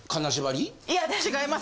いや違います。